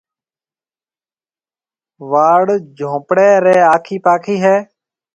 واڙ جهونپڙَي ري آکي پاکي هيَ۔